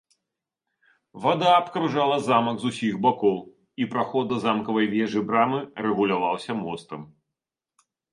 Вада абкружала замак з усіх бакоў і праход да замкавай вежы-брамы рэгуляваўся мостам.